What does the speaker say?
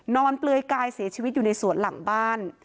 เปลือยกายเสียชีวิตอยู่ในสวนหลังบ้าน